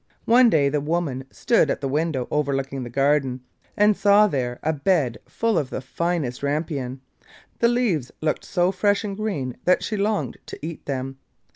One day the woman stood at the window overlooking the garden, and saw there a bed full of the finest rampion: the leaves looked so fresh and green that she longed to eat them.